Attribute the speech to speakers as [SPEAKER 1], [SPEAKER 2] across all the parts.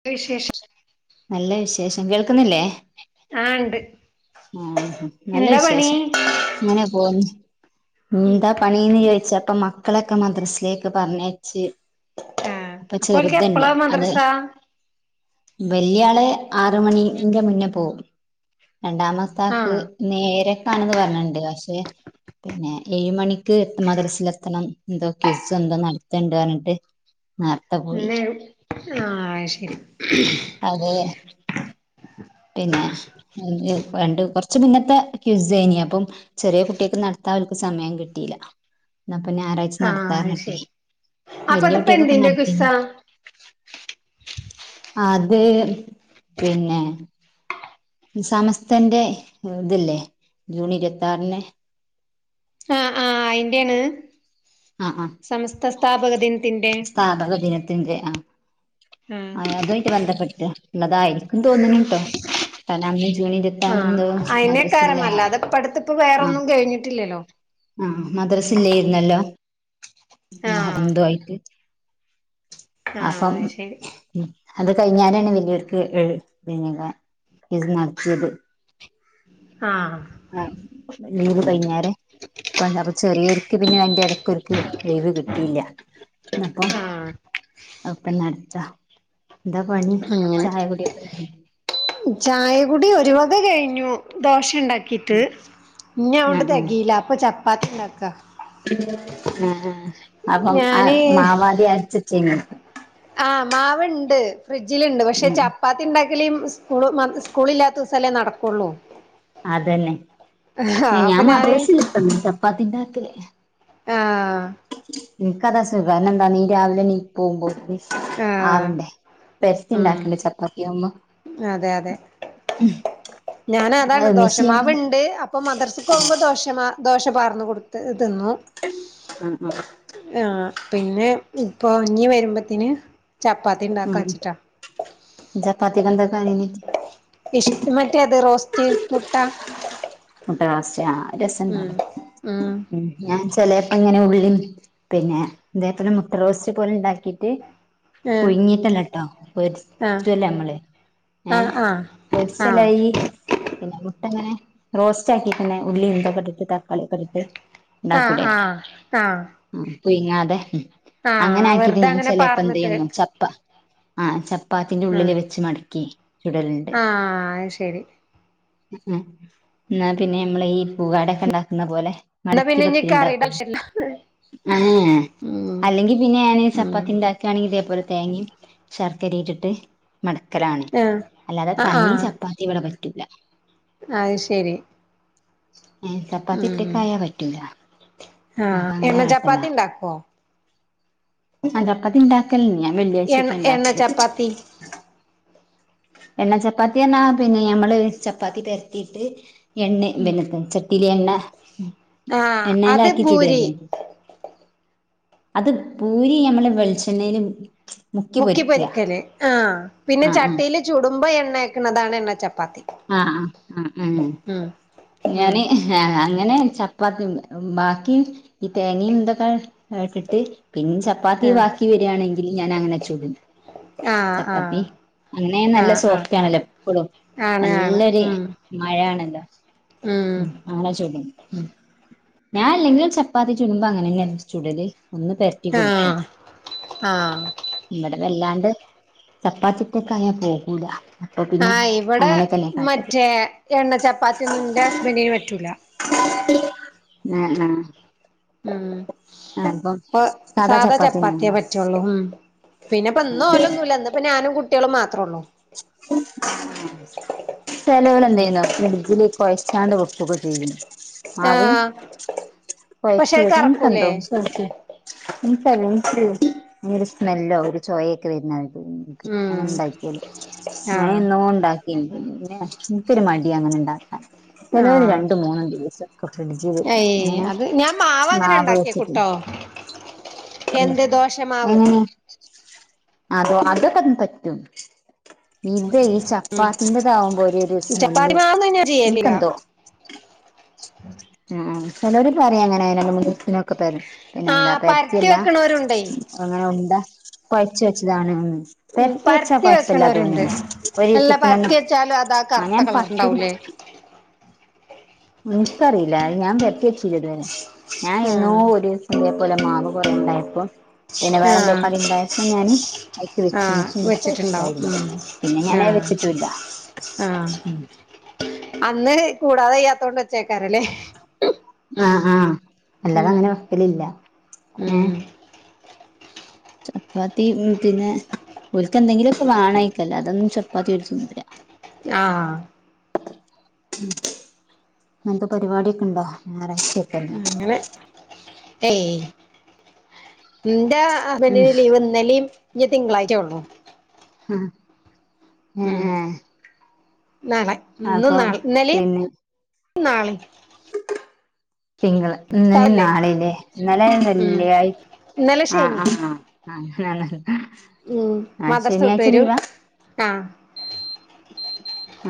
[SPEAKER 1] ന്ത്‌ വിശേഷം
[SPEAKER 2] നല്ല വിശേഷം കേൾക്കുന്നില്ലേ
[SPEAKER 1] ആഹ് ഇണ്ട്
[SPEAKER 2] ആഹ് നല്ല വിശേഷം അങ്ങനെ പോകുന്നു
[SPEAKER 1] ഉം
[SPEAKER 2] എന്താ പ ണീന്ന് ചോദിച്ചപ്പ മക്കളൊക്കെ മദ്രസിലേക്ക് പറഞ്ഞയച്ച്
[SPEAKER 1] ആ
[SPEAKER 2] ഇപ്പ
[SPEAKER 1] അപ്പൊ ഓൽക്ക്
[SPEAKER 2] ചെറുത്ണ്ട്
[SPEAKER 1] എപ്പളാ
[SPEAKER 2] അത്
[SPEAKER 1] മദ്രസ
[SPEAKER 2] വല്യാളെ ആറ് മണിന്റെ മുന്നേ പോകും
[SPEAKER 1] ആ
[SPEAKER 2] രണ്ടാമത്താക്ക് ഇന്ന് ഏഴരക്കാണെന്ന് പറഞ്ഞിട്ടുണ്ട് പക്ഷെ പിന്നെ ഏഴ് മണിക്ക് മദ്രസിൽ എത്തണം എന്തോ കിസ്സ് എന്തോ നടത്തണ്ട പറഞ്ഞിട്ട് നേർത്തെ പോയി
[SPEAKER 1] ഇന്നേ ആഹ് ശരി
[SPEAKER 2] അതെ പിന്നെ ഏഹ് ഏഹ് പണ്ട് കൊറച്ച് മുന്നത്ത കിസ്സേനി അപ്പം ചെറിയ കുട്ടിയൊക്ക് നടത്താൻ അവർക്ക് സമയം കിട്ടില്ല എന്നാപ്പൊ ഞായറാഴ് ഴ്ച്ച
[SPEAKER 1] ആ
[SPEAKER 2] നടത്താ
[SPEAKER 1] അത്
[SPEAKER 2] പറഞ്ഞിട്ടെ
[SPEAKER 1] ശരി അപ്പൊ
[SPEAKER 2] വല്യ
[SPEAKER 1] ഇതിപ്പോ
[SPEAKER 2] കുട്ടിയക്കൊക്കെ
[SPEAKER 1] എന്തിന്റെ
[SPEAKER 2] നടത്തിണ്ട്
[SPEAKER 1] ക്വിസാ
[SPEAKER 2] അത് പിന്നെ സമസ്ത്തെന്റെ ഇത് ല്ലേ ജൂൺ ഇരുപത്താറിന്
[SPEAKER 1] ആഹ് ആഹ് അയിന്റെണ്
[SPEAKER 2] ആഹ് ആഹ്
[SPEAKER 1] സംമസ്ത സ്ഥാപകദിന്
[SPEAKER 2] സ്ഥാപക ദിനത്തിൻെ ആ അതുആയിട്ട് ബന്ധപ്പെട്ടിട്ട് ള്ളതായേക്കും തോന്നണുട്ടോ കാരണം അന്ന് ജൂണി
[SPEAKER 1] ആഹ് അയ്നെക്കാരമല്ല അതപ്പ അടുത്ത്പ്പ വേറൊന്നും കേഴിഞ്ഞിട്ടില്ലല്ലോ
[SPEAKER 2] ആഹ് മദ്രസില്ലോരുന്നല്ലോ
[SPEAKER 1] ആ
[SPEAKER 2] മുഹറന്തോ ആയിട്ട്
[SPEAKER 1] ആ
[SPEAKER 2] അസം
[SPEAKER 1] അത് ശരി
[SPEAKER 2] ഉം അത് കഴിഞ്ഞാലാണ് വലിയർക്ക് ഏഴ് ഇന്നെന്താ കിസ്സ് നടത്തിയത്
[SPEAKER 1] ആഹ്
[SPEAKER 2] ആഹ് ലീവ് കഴിഞ്ഞേരെ ഇപ്പ അപ്പൊ ചെറിയൊര്ക്ക് പിന്നെ അയിന്റെടുക്ക്. ക്ക് ഒൽക്ക് ലീവ്കിട്ടിയില്ല ന്നപ്പൊ
[SPEAKER 1] ആ
[SPEAKER 2] അപ്പനടത്ത എന്താ പണി
[SPEAKER 1] അങ്ങനെ
[SPEAKER 2] ചായകുയോട്ടിക്കെ കഴിഞ്ഞോ
[SPEAKER 1] ചായകുടി ഒരു വക കഴിഞ്ഞു ദോശണ്ടാ ക്കിട്ട് ഇനി അഓണ്ട്
[SPEAKER 2] ആഹ് ആഹ്
[SPEAKER 1] തികയില്ല അപ്പൊ ചപ്പാത്തി ഇണ്ടാക്കാ
[SPEAKER 2] ആഹ് ആഹ് അപ്പം ആ
[SPEAKER 1] ഞാന്
[SPEAKER 2] മാവാതി അരച്ചേച്ചിം.
[SPEAKER 1] ആഹ് മാവ്ണ്ട് ഫ്രിഡ്ജിൽണ്ട് പക്ഷെ
[SPEAKER 2] ഉം
[SPEAKER 1] ച പ്പാത്തിണ്ടാക്കൽ സ്കൂൾ മദ് സ്കൂളില്ലാത്ത ദിസൊല്ലേ നടക്കുള്ളൂ. ആഹ്
[SPEAKER 2] അതന്നെ
[SPEAKER 1] അപ്പൊ
[SPEAKER 2] ഞാൻ
[SPEAKER 1] ഞാന്
[SPEAKER 2] മദ്രസല്ലാതന്ന് ചപ്പാത്തിണ്ടാക്കൽ
[SPEAKER 1] ആഹ്
[SPEAKER 2] ഇൻക്കതാസുഖം എന്താ നീ രാവിലെ നീച് പോകുമ്പോളേക്ക്.
[SPEAKER 1] ആഹ്
[SPEAKER 2] ആവണ്ടേ
[SPEAKER 1] ഉം
[SPEAKER 2] പെരത്തിണ്ടാക്കണ്ടേ ചപ്പാത്തിയാവുമ്പോ.
[SPEAKER 1] അതെ അതെ ഞൻ അതാണ്
[SPEAKER 2] അത് മെഷീൻമല്
[SPEAKER 1] ദോഷമാവ്ൺ ണ്ട് അപ്പോമദർസക്ക്മ്പോവുമ്പോ ദോശ ദോ പാർന്ന്കൊടുക്കും. തെഹ് തിന്നു.
[SPEAKER 2] ഉം ഉം
[SPEAKER 1] ആഹ് പിന്നെ ഇപ്പൊ ഞ്ഞി വരുമ്പത്തിന് ചപ്പാത്തി ഉണ്ടാക്കാച്ചിട്ടാ.
[SPEAKER 2] ചപ്പാത്തിക്കന്താ കറിനി
[SPEAKER 1] പിഷ് മറ്റേത് റോസ്റ്റ് മുട്ട.
[SPEAKER 2] മുട്ടറോസ്റ്റ് ആഹ്
[SPEAKER 1] ഉം
[SPEAKER 2] രസണ്ടാവും ഉം ഞാൻ ചെലേപ്പങ്ങനെ ഉള്ളി പിന്നെ ഇതേപോലെ മുട്ടറോസ്റ്റ് പോലെ ഉണ്ടാക്കിട്ട്,
[SPEAKER 1] ഏഹ്
[SPEAKER 2] പുഴിങ്ങീട്ടല്ലട്ടോ
[SPEAKER 1] ആഹ്
[SPEAKER 2] പൊരിച്ചൂല്ലേമ്മള്, ഏഹ്
[SPEAKER 1] ആഹ് ആഹ് ആഹ്
[SPEAKER 2] പൊരിച്ചലേയി, പിന്നെ മുട്ട അങ്ങനെ റോസ്റ്റ് ആക്കിട്ടന്നെ ഉള്ളി ഇതൊക്കെ ഇട്ട് തക്കാളി ഒക്കെ ഇട്ട്ട്ട്,
[SPEAKER 1] ആഹ് ആഹ് ആഹ്
[SPEAKER 2] ഉം പുഴുങ്ങാതെ അങ്ങനെ
[SPEAKER 1] ആഹ്
[SPEAKER 2] ആക്കിട്ട്
[SPEAKER 1] വെറുതെ
[SPEAKER 2] ഞാൻ
[SPEAKER 1] അങ്ങനെ പാർന്നിട്ട്
[SPEAKER 2] ചിലേപ്പന്തേയ്യന്നു ചപ്പ ആഹ് ചപ്പാത്തിന്റെ
[SPEAKER 1] ആഹ്
[SPEAKER 2] ഉള്ളില് വെച്ച് മടക്കി ചുടലുണ്ട്,
[SPEAKER 1] ആഹ് അത് ശരി
[SPEAKER 2] ഹ് ഏഹ് ന്നാപിന്നെ നമ്മള് ഈ പുവാടൊക്കെ ണ്ടാക്കുന്ന പോലെ,
[SPEAKER 1] എന്നാ
[SPEAKER 2] മടക്കി
[SPEAKER 1] പിന്നെ ഇനി കറിയുടെ
[SPEAKER 2] പത്തിരിണ്ടാക്കും
[SPEAKER 1] ആവശ്യല്ല
[SPEAKER 2] ഏഹ് ഏഹ്
[SPEAKER 1] ഉം
[SPEAKER 2] അല്ലെങ്കി പിന്നെ ഞാന്
[SPEAKER 1] ഉം
[SPEAKER 2] ചപ്പാത്തിണ്ട ക്കാണെങ്കി ഇതേപോലെ തേങ്ങയും ശർക്കരി ഇട്ടിട്ട്, മടക്കലാണ്
[SPEAKER 1] ആഹ്
[SPEAKER 2] അല്ലാതെ
[SPEAKER 1] ആഹ്
[SPEAKER 2] തനി ചപ്പാത്തി ഇവിടെ പറ്റില്ല,
[SPEAKER 1] അഹ് ശരി,
[SPEAKER 2] ഏഹ്
[SPEAKER 1] ഉം
[SPEAKER 2] ചപ്പാതിറ്റക്കായാ പറ്റൂല അപ്പ
[SPEAKER 1] ആഹ്
[SPEAKER 2] അങ്ങനെ
[SPEAKER 1] എണ്ണ
[SPEAKER 2] കാട്ടല,
[SPEAKER 1] ചപ്പാത്തി ഉണ്ടാക്കുവോ
[SPEAKER 2] അന്താ ചപ്പാത്തി ഇണ്ടാക്കൽ ഞാൻ
[SPEAKER 1] എണ്ണ
[SPEAKER 2] വെള്ളിയാഴ്ചൊക്കെ
[SPEAKER 1] എണ്ണ
[SPEAKER 2] ഇണ്ടാക്കല്,
[SPEAKER 1] ചപ്പാത്തി
[SPEAKER 2] എണ്ണ ചപ്പാത്തിയെന്നാ പിന്നെ ഞമ്മള് ചപ്പാത്തി പരത്തീട്ട്, എണ്ണ പിന്നത്തെചട്ടിയില് എണ്ണ
[SPEAKER 1] ആഹ് അത് പൂരി
[SPEAKER 2] എണ്ണയിലാക്കിച്ചുടല്ലേ, അത് പൂരി നമ്മള് വെളിച്ചെണ്ണയില്, മുക്കി പൊരിക്കുക
[SPEAKER 1] മുക്കിപ്പൊരിക്കല് ആഹ് പിന്നെ
[SPEAKER 2] ആഹ്
[SPEAKER 1] ചട്ടിൽ ചുടുമ്പോ എണ്ണതേക്കുന്നതാണ് എണ്ണ ചപ്പാത്തി,
[SPEAKER 2] ആഹ് ആഹ് ആഹ് ഉം
[SPEAKER 1] ഉം
[SPEAKER 2] ഞാന്, ആഹ് അങ്ങനെ ചപ്പാത്തി ബാക്കി ഈ തേങ്ങിമ് ഇതൊക്കെ ഇട്ടിട്ട്, പിൻ ചപ്പാത്തി
[SPEAKER 1] ആഹ്
[SPEAKER 2] ബാക്കി വരാണെങ്കിൽ ഞാൻ അങ്ങനെ ചൂടും,
[SPEAKER 1] ആഹ്
[SPEAKER 2] ചപ്പാത്തി അങ്ങനെ നല്ല
[SPEAKER 1] ആഹ് ആഹ്
[SPEAKER 2] സോഫ്റ്റ് ആണല്ലോ എപ്പളും,
[SPEAKER 1] ആണ് ആണ്
[SPEAKER 2] നല്ലൊരു
[SPEAKER 1] ഉം
[SPEAKER 2] മയയാണല്ലോ,
[SPEAKER 1] ഉം
[SPEAKER 2] ആങ്ങനെചുടും ഞാൻ അല്ലെങ്കിലു ചപ്പാത്തി ചൂടുമ്പോ അങ്ങനെന്നേ ചൂടലേ ഒന്ന് പെര ത്തി കൊടുക്കും.
[SPEAKER 1] ആഹ് ആഹ്
[SPEAKER 2] ഇവിടെവല്ലാണ്ട് ചപ്പാത്തിക്കൊക്കെ ആയാൽ പോകൂല, അപ്പൊ പിന്നെ
[SPEAKER 1] ആഹ് ഇവിടെ
[SPEAKER 2] അങ്ങനെയൊക്കെന്നെ കാട്ടല്
[SPEAKER 1] മറ്റേ എണ്ണചപ്പാത്തി ഒന്നുന്റെ ഹസ്ബന്റന് പറ്റൂല,
[SPEAKER 2] നാ ആഹ്
[SPEAKER 1] ഉം
[SPEAKER 2] അപ്പം
[SPEAKER 1] പ്പ സാധാ ചപ്പാത്തിയേ പറ്റുള്ളൂ പിന്നെപ്പ ഇന്നും ഓലു ഒന്നുല്ല ഇന്നപ്പ ഞാനും കുട്ടികളും മാത്രേ ഉള്ളൂ
[SPEAKER 2] [unintelligible] ചെലോല്
[SPEAKER 1] ഉം
[SPEAKER 2] എന്ത്യ്യുന്നറ്യോ മെന്നേ ഫ്രിഡ്ജില് കൊഴച്ചാണ്ടു വെക്കക്കെ ചെയ്യും മാവ്
[SPEAKER 1] ആഹ് പക്ഷെ
[SPEAKER 2] കുഴച്ച്
[SPEAKER 1] അത്
[SPEAKER 2] വെയ്ക്കു, എനിക്കെന്തോ
[SPEAKER 1] കറക്കൂലേ
[SPEAKER 2] [unintelligible] [unintelligible] ഇനിയൊരു സ്മെല്ലോ ഒരു ചോയൊക്കെ വരുന്ന
[SPEAKER 1] ഉം
[SPEAKER 2] ങ്ങെനണ്ടാക്കിയ
[SPEAKER 1] ആഹ്
[SPEAKER 2] ഞാൻഎന്നോ ഉണ്ടാക്കി പിന്നെക്കൊരു മടിയ ങ്ങനെ ണ്ടാക്കാൻ, ചില ഒരു
[SPEAKER 1] ആഹ്
[SPEAKER 2] രണ്ടമൂന്നും ദിവസൊക്കെ ഫ്രിഡ്ജ്
[SPEAKER 1] ഏയ്
[SPEAKER 2] വച്ചിങ്ങനെ
[SPEAKER 1] അത് ഞാൻ മാവ് അങ്ങനെ
[SPEAKER 2] നാവെച്ചിട്ടു,
[SPEAKER 1] ഉണ്ടാക്കിയേക്കുട്ടോ എന്ത്
[SPEAKER 2] [unintelligible] അ
[SPEAKER 1] ദോശമാവ്
[SPEAKER 2] ഉം [unintelligible] അതോ [unintelligible] ഇതായ്ഈ ചപ്പാത്തിൻറതകുമ്പോ ഒരു സ്മെല്ല്,
[SPEAKER 1] ചപ്പാത്തി മാവൊന്നും ഞാൻ ചെയ്യലില്ല
[SPEAKER 2] എനിക്കെന്തോ ആ ചെലര് പറയാ അങ്ങനെ രണ്ട് മൂന്ന് ദിവസത്തിനൊക്കെ പ പിന്നെ എന്താ
[SPEAKER 1] ആഹ് പരത്തി
[SPEAKER 2] പരത്തിയല്ല
[SPEAKER 1] വെക്കണോരുണ്ടേ
[SPEAKER 2] അങ്ങനെ ഉണ്ടാ കുഴച്ച വെച്ചതാണ്,
[SPEAKER 1] ഉം
[SPEAKER 2] പെരത്തി വെച്ചാ പ
[SPEAKER 1] പരത്തി
[SPEAKER 2] ഇല്ലാ
[SPEAKER 1] വെക്കണോരുണ്ട്
[SPEAKER 2] തോന്നന് ഒരു
[SPEAKER 1] അല്ല
[SPEAKER 2] ദിവസത്തിന്
[SPEAKER 1] പരത്തി വെച്ചാലും അതാ
[SPEAKER 2] ആ
[SPEAKER 1] കറുത്ത
[SPEAKER 2] ഞാൻ
[SPEAKER 1] കളറുണ്ടാവൂലേ
[SPEAKER 2] പരത്തി- എനിക്കറിയില്ല ഞാൻ പെരത്തി വെച്ചില്ല ഇത് വരെഞാൻ
[SPEAKER 1] ആഹ്
[SPEAKER 2] എന്നോര് തേപോലെ മാവ് കൊറേ ണ്ടായപ്പോ പിന്നെ വേറെ എന്തോ
[SPEAKER 1] ആഹ്
[SPEAKER 2] കറിഉണ്ടായപ്പോ ഞാൻ ഐക്ക് വെച്ച്
[SPEAKER 1] ആഹ്
[SPEAKER 2] പക്ഷേ എനിക്ക ത്
[SPEAKER 1] വെച്ചിട്ടുണ്ടാവും
[SPEAKER 2] ഇഷ്ടായില്ല പിന്നെ ഞാനത് വെച്ചിട്ടു ഇല്ല
[SPEAKER 1] ആഹ അന്ന് കൂടാതെ യ്യാത്തതൊണ്ട് വെച്ചേക്കാരോ ലെ
[SPEAKER 2] ആ ആഹ
[SPEAKER 1] ഉം
[SPEAKER 2] അല്ലാതെങ്ങനെ വക്കലില്ല ഏ
[SPEAKER 1] ഉം
[SPEAKER 2] ചപ്പാത്തി ഉം പിന്നെ ഓൽക്ക് എന്തെങ്കിലും ഒക്കെ വേണായിക്കുവല്ലോ, അല്ലാതെന്നും ചപ്പാത്തി തിന്നൂല
[SPEAKER 1] ആആ
[SPEAKER 2] ന്തോ പരിപാടിയൊക്കെ ണ്ടോ ഞായറാഴ്ചയ
[SPEAKER 1] ങ്ങനെ ഏയ് ന്താ
[SPEAKER 2] ഉം
[SPEAKER 1] അവന് ലീവ് ഇന്നലെയും ഇനി തിങ്കളാഴ്ച ഉള്ളൂ.
[SPEAKER 2] ആഹ
[SPEAKER 1] ഉം നാളെ, ഇന്നും
[SPEAKER 2] അപ്പം
[SPEAKER 1] നാളെ, ഇന്നലിം,
[SPEAKER 2] പിന്നെ
[SPEAKER 1] നാളിം
[SPEAKER 2] തിങ്കൾ ഇന്നലെ
[SPEAKER 1] ഇഫ്താറല്ലേ
[SPEAKER 2] നാളെല്ലേ, ഇന്നലെ
[SPEAKER 1] ഉം
[SPEAKER 2] വെള്ളിയ
[SPEAKER 1] ഇന്നലെ
[SPEAKER 2] ആഹ്
[SPEAKER 1] ശനി
[SPEAKER 2] ആഹ ആഹ, ആഹ ശനിയാഴ്ച ലീവാ
[SPEAKER 1] ആ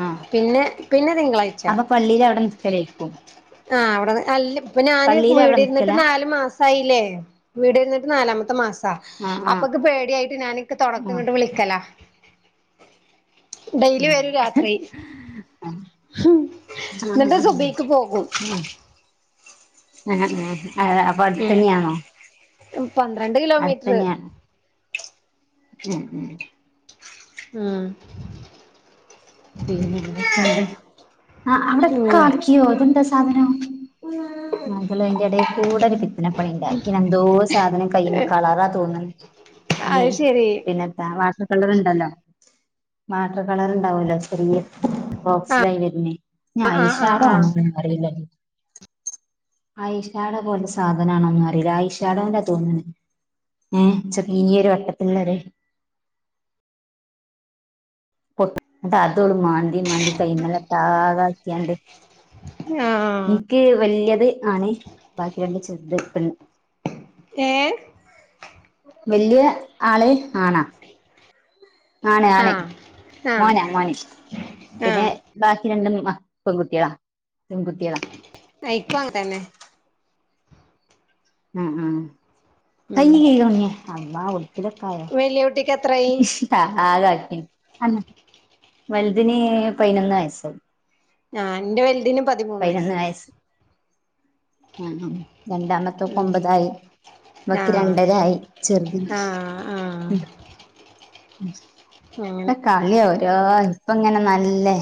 [SPEAKER 2] ആ
[SPEAKER 1] പിന്നെ പിന്നെ തിങ്കളായ് ച
[SPEAKER 2] അപ്പൊ പള്ളിയിൽ അവടെ നിക്കലേക്കും
[SPEAKER 1] ആഹ, അവിടെ അല്ല പ്പൊ ഞാന്
[SPEAKER 2] പള്ളിയിൽ അവിടെ
[SPEAKER 1] വീട്
[SPEAKER 2] നിക്കല
[SPEAKER 1] ഇരുന്നിട്ട് നാല് മാസ മാസായില്ലേ വീട് ഇരുന്നിട്ട് നാലാമത്തെ മാസാ
[SPEAKER 2] ആ ആ
[SPEAKER 1] അപ്പൊക്ക് പേടിയായിട്ട് ഞാൻ ഇക്ക് തുണ ക്ക്
[SPEAKER 2] ആ
[SPEAKER 1] ഇങ്ങോട്ട് വിളിക്കല ഡെയിലി
[SPEAKER 2] ഏ
[SPEAKER 1] വരും രാത്രി ഹും
[SPEAKER 2] ആ ആ
[SPEAKER 1] എന്നി ട്ട് സുബഹി ക്ക് പോകും
[SPEAKER 2] ആ ആ ആ ആ പ്പൊ അടുത്തന്നെയാണോ
[SPEAKER 1] ഉം പന്ത്രണ്ട്
[SPEAKER 2] അടുത്ത
[SPEAKER 1] കിലോമീറ്റർ
[SPEAKER 2] ന്നെയാണ ഉം ഉം
[SPEAKER 1] ഉം
[SPEAKER 2] [inaudible] പിന്നെ, ന്തൊക്കെആആ അവിടെക്കെ
[SPEAKER 1] ഉം
[SPEAKER 2] ആക്കിയോ ഇതെന്താ സാധനം മമകൾ അയി ന്റെ ഇട കൂടെ ഒരു പിത്തനപ്പണി ണ്ടാക്കിന എന്തോ സാധനം കയ്യില് കളറാ തോന്നുന്നു [unintelligible] ഏ
[SPEAKER 1] അത് ശരി
[SPEAKER 2] പിന്നെത്താ വാട്ടർ കളർുണ്ടല്ലോ വാട്ടർ കളർ ഉണ്ടാവൂലോ ചെറിയ ബോക്സിലായി വരുന്നേ നി
[SPEAKER 1] ആഹ് ആഹ് ആഹ്
[SPEAKER 2] ഐഷാഡോ
[SPEAKER 1] ആഹ്
[SPEAKER 2] ആണോന്ന് അറിയില്ല. ഐഷാട പോലെ സാധനമാണോന്നും അറിയില്ല, ഐഷാടോനന്നാ തോന്നെണ ഏ ചെറിയ ഒരു വട്ടത്തിലുള്ളതേ പൊട്അതോള് മാന്തി, മാന്തി കായിൻമേലോട്ടാക്കെ ആക്കിയാണ്ട്
[SPEAKER 1] ആഹ്
[SPEAKER 2] ക്ക് വല്യത് ആണെ ബാക്കി രണ്ട് ചെറുത് [unintelligible]
[SPEAKER 1] ഹേ
[SPEAKER 2] വല്യ യ ആള് ആണാ ആണ് ആണ്
[SPEAKER 1] ആഹ് ആഹ്
[SPEAKER 2] മോനാ മോന് പിന്നെ
[SPEAKER 1] ആഹ്
[SPEAKER 2] ബാക്കി രണ്ടും മ പെൺകുട്ടികളാ പെൺകുട്ടികളാ
[SPEAKER 1] നയിക്കും അങ്ങനെ തന്നെ
[SPEAKER 2] ആഹ് ആഹ് കൈ
[SPEAKER 1] ഉം
[SPEAKER 2] കഴിക് കുഞ്ഞേ അള്ളാ ഉടുപ്പിലൊക്കെ ആയോ
[SPEAKER 1] വലിയ കുട്ടിക്ക് എത്രായി
[SPEAKER 2] ആഹ് അതാക്കി വലുതിന് പയിനൊന്ന് വയസ്‌
[SPEAKER 1] ആഹ് ഇന്റെ വലുതിനും
[SPEAKER 2] പതിനൊന്നു വയസ്സ് ആഹ് ഉം രണ്ടാമത് ത്തെ
[SPEAKER 1] ഉം
[SPEAKER 2] ഒമ്പതായി ഇവക്
[SPEAKER 1] ആഹ്
[SPEAKER 2] രണ്ടരായി ചെറുതിന്
[SPEAKER 1] ആഹ് ആഹ് അങ്ങനെ
[SPEAKER 2] ഇപ്പോ കളിയ ഓരോ ഇപ്പ ഇങ്ങനെ നല്ലെ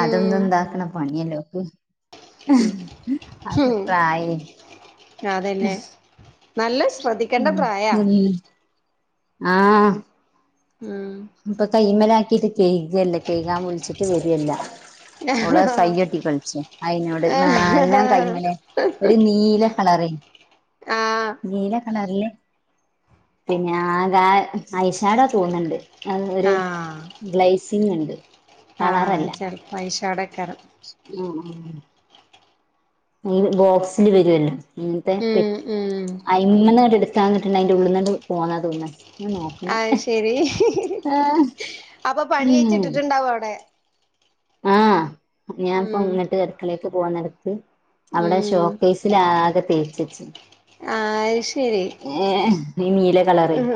[SPEAKER 2] അതൊന്നും ഇണ്ടാക്കണ പണിയല്ലോക്ക്
[SPEAKER 1] ഉം
[SPEAKER 2] അതിപ്പോ ആയി
[SPEAKER 1] അത് തന്നെ നല്ല ശ്രദ്ധിക്കേണ്ട
[SPEAKER 2] ഉം
[SPEAKER 1] പ്രായാ
[SPEAKER 2] ഉം ആഹ്
[SPEAKER 1] ഉം
[SPEAKER 2] ഇപ്പൊ കൈയിൻ മേലാക്കിട്ട് കെഴ്കല്ല കെഴുകാൻ വിളിച്ചിട്ട് വരികയില്ല ഓള്
[SPEAKER 1] ആഹ്
[SPEAKER 2] സയ്യൊട്ടി കളിച്ചേ അയിനോട് എല്ലാം കൈമേലെ ഒരു നീല കളറി
[SPEAKER 1] ആഹ്
[SPEAKER 2] നീല [unintelligible] പിന്നെ ആ ഗ ഐഷാടാ തോന്ന്ണ്ട് അത് ഒര് ഗ്ലൈസിംഗ് ണ്ട്
[SPEAKER 1] ആഹ് ചെലപ്പ ഐഷാടെ ക്കാരം
[SPEAKER 2] ഉം അയിൽ ബോക്സിൽ വരൊല്ലോ ഇങ്ങനത്തെ പെ
[SPEAKER 1] ഉം ഉം
[SPEAKER 2] അയിമെന്നെങ്ങാണ്ടെടുത്താ കിട്ടുന്നുണ്ട് അതിന്റെ ഉള്ളിൽന്നുണ്ട് പോന്ന ത്തൊ ന്നു
[SPEAKER 1] അത് ശരി
[SPEAKER 2] ആഹ്
[SPEAKER 1] അപ്പൊ പണി
[SPEAKER 2] ഉം
[SPEAKER 1] അഴിച്ചിട്ടിട്ടുണ്ടാവും അവിടെ
[SPEAKER 2] ആഹ് ഞാൻ ഇപ്പോ
[SPEAKER 1] ഉം
[SPEAKER 2] ഇങ്ങിട്ട് അടുക്കളേക്ക് പോകുന്നടുത്ത് അവിടെ
[SPEAKER 1] ഉം
[SPEAKER 2] ഷോക്ക് ക്കേസില് ആകെ തേച്ചു വച്ച്
[SPEAKER 1] ആഹ് ശരി
[SPEAKER 2] ഏഹ് ഈ നീല കളറ്
[SPEAKER 1] ഉം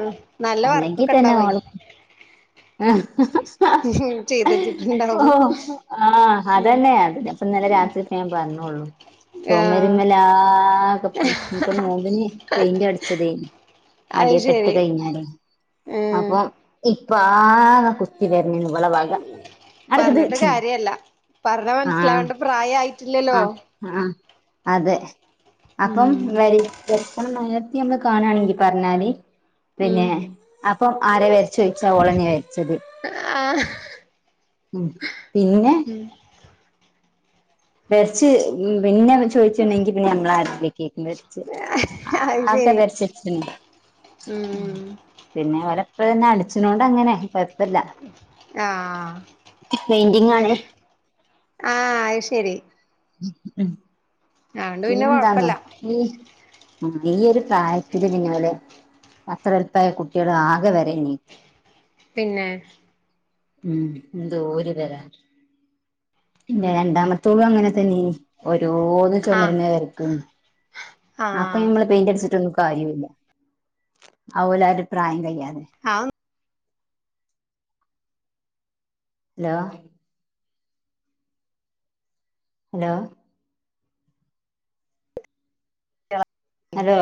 [SPEAKER 1] നല്ല
[SPEAKER 2] അല്ലെങ്കിൽ
[SPEAKER 1] വർക്കൊക്കെ
[SPEAKER 2] തന്നെ
[SPEAKER 1] ഉണ്ടാവേ
[SPEAKER 2] ഓള് [inaudible]
[SPEAKER 1] ചെയ്ത്
[SPEAKER 2] ഓ
[SPEAKER 1] വച്ചിട്ടുണ്ടാവും
[SPEAKER 2] ആഹ് അതന്നെയ അതി പ്പൊ ഇന്നലെ രാത്രി ഞാൻ പറഞ്ഞോള്ളു
[SPEAKER 1] ആഹ്
[SPEAKER 2] ചൊമരുമ്മേലാകെ ഇപ്പൊ നോമ്പിന് പെയിന്റ് അടിച്ചതേനി
[SPEAKER 1] അത്
[SPEAKER 2] അടിയൊക്ക ഇട്ട്
[SPEAKER 1] ശരി
[SPEAKER 2] കഴിഞ്ഞാരെ
[SPEAKER 1] ഉം
[SPEAKER 2] അപ്പൊ ഇപ്പ ആകെ കുത്തി വലഞ്ഞ് ണ് ഓളെ വക അടുത്തത്
[SPEAKER 1] തേ അല്ല പറഞ്ഞ മനസ്സിലാവേണ്ട പ്രായായിട്ടില്ലല്ലോ
[SPEAKER 2] ആഹ് ആഹ് അതെ അപ്പം
[SPEAKER 1] ഉം
[SPEAKER 2] വരി എപ്പം നേരത്തി നമ്മള് കാണുവാണെങ്കി പറഞ്ഞാൽ
[SPEAKER 1] ഉം
[SPEAKER 2] പിന്നെ അപ്പം ആരെ വരച്ചേ ചോദിച്ചാ ഓളന്നയാ വരച്ചത്
[SPEAKER 1] ആഹ്
[SPEAKER 2] ഉം പിന്നെ
[SPEAKER 1] ഉം
[SPEAKER 2] വെരച്ച് പിന്നെ ചോദിച്ചുണ്ടെങ്കി പിന്നെ ഞമ്മളാ രെങ്കിലും ആ വരച്ചേ
[SPEAKER 1] അത്
[SPEAKER 2] ആകെ
[SPEAKER 1] ശരി
[SPEAKER 2] വരച്ച് വെച്ചിട്ട്
[SPEAKER 1] ഉം
[SPEAKER 2] പിന്നെ ഓലപ്പ‌ തന്നെ അടിച്ചിനോണ്ട് അങ്ങനെ കൊഴപ്പല്ല
[SPEAKER 1] ആഹ്
[SPEAKER 2] പെയിന്റിംഗ് ആണെ
[SPEAKER 1] ആഹ് അഹ് ശരി
[SPEAKER 2] ഉ ഉം
[SPEAKER 1] അതോണ്ട് പിന്നെ
[SPEAKER 2] പിന്നെന്താന്നോ
[SPEAKER 1] കൊഴപ്പല്ല
[SPEAKER 2] ഈ ഈ ഒരു പ്രായത്തില് പിന്നെ ഓലെ അത്ര എല്പായ കുട്വാൾ ആകെ വരെ ന്നെ
[SPEAKER 1] പിന്നെ
[SPEAKER 2] ഉം എന്ത ഊര് തരാ പിന്നെ രണ്ടാമത്തതും അങ്ങനെ തന്നെയാണ് ഓരോന്ന്
[SPEAKER 1] ആഹ്
[SPEAKER 2] ചൊമരുമ്മേ വരക്കും അപ്പൊ
[SPEAKER 1] ആഹ്
[SPEAKER 2] ഞമ്മള് പെയിന്റ് അടിച്ചിട്ടൊന്നും കാര്യമില്ല അ ഓലെ ഒരു പ്രായം കഴിയാതെ
[SPEAKER 1] ആ
[SPEAKER 2] ഹലോ ഹലോ ഹലോ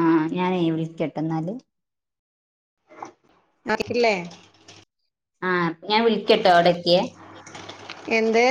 [SPEAKER 2] ആ ഞാനേ വിളിക്കട്ടെന്നാല്
[SPEAKER 1] ആയിക്കില്ലേ
[SPEAKER 2] ആഹ് ഞാൻ വിളിക്കട്ടോ അവിടെ നിക്കി
[SPEAKER 1] എന്ത്